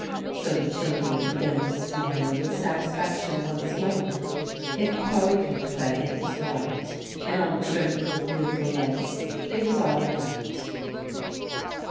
So the children began to smile with satisfaction once more. If Polly could play it was white and all trimmed with beautiful lace, it was all right.